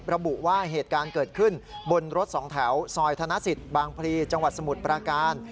ระบุว่าเหตุการณ์เกิดขึ้นบนรถสองแถวซอยธนสิทธิ์บางพลีจังหวัดสมุทรปราการ